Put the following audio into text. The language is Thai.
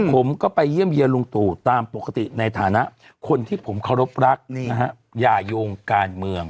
ผมก็ไปเยี่ยมเยี่ยลุงตู่ตามปกติในฐานะคนที่ผมเคารพรักอย่าโยงการเมือง